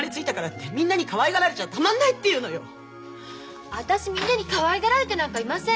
私みんなにかわいがられてなんかいません。